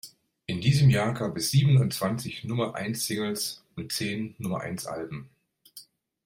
In diesem Jahr gab es siebenundzwanzig Nummer-eins-Singles und zehn Nummer-eins-Alben.